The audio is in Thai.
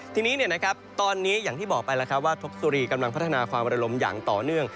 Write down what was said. ทีนี้ตอนนี้อย่างที่บอกไปแล้วว่าทกสุรีกำลังพัฒนาความระลมอย่างต่อเนื่อง